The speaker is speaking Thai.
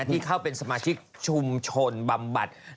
ที่เข้าเป็นสมาชิกชุมชนบำบัด